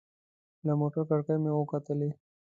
له موټر کړکۍ مې وکتلې.